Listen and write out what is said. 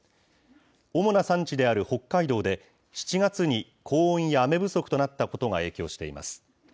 主な産地である北海道で、７月に高温や雨不足となったことが影響しています。